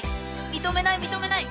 認めない認めない！